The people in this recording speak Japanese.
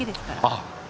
ああ！